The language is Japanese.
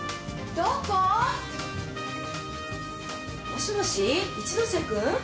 もしもし一ノ瀬君？